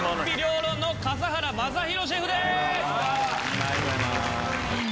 ありがとうございます。